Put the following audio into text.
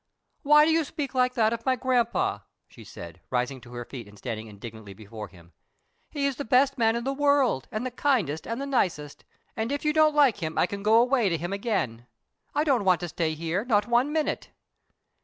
"Why do you speak like that of my grampa?" she said, rising to her feet and standing indignantly before him. "He is the best man in the world, and the kindest and the nicest, and if you don't like him I can go away to him again. I don't want to stay here, not one minute.